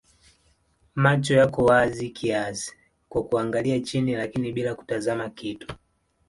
Macho yako wazi kiasi kwa kuangalia chini lakini bila kutazama kitu.